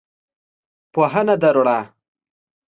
پوهنه ده رڼا